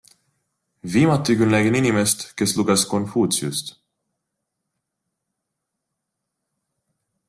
Viimati küll nägin inimest, kes luges Konfutsiust.